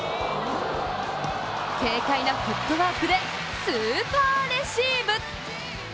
軽快なフットワークでスーパーレシーブ！